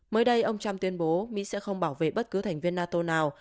mới đây ông trump tuyên bố mỹ sẽ không bảo vệ bất cứ thành viên nato nào